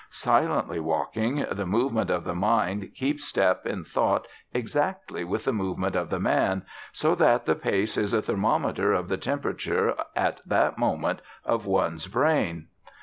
Silently walking, the movement of the mind keeps step in thought exactly with the movement of the man, so that the pace is a thermometer of the temperature at that moment of one's brain.